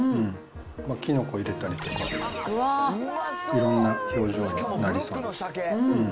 きのこ入れたりとか、いろんな表情になりそうな。